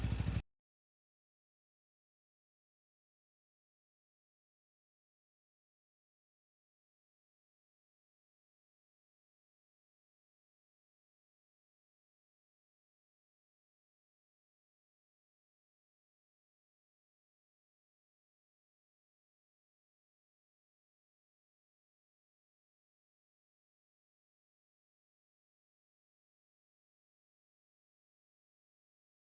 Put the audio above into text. enemy yang di kita berhutang seperti bumi